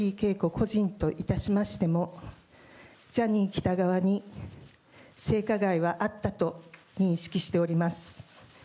個人といたしましても、ジャニー喜多川に性加害はあったと認識しております。